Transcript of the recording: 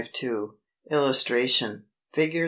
] [Illustration: Fig.